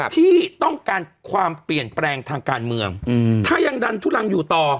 ที่ต้องการความเปลี่ยนแปลงทางการเมืองถ้ายังดันทุลังอยู่ต่อ